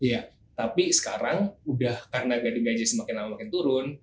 iya tapi sekarang udah karena gading gajah semakin lama semakin turun